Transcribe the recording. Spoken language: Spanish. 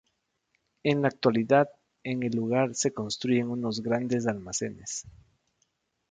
En la actualidad, en el lugar se construyen unos grandes almacenes.